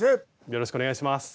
よろしくお願いします。